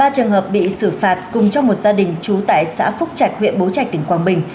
ba trường hợp bị xử phạt cùng trong một gia đình trú tại xã phúc trạch huyện bố trạch tỉnh quảng bình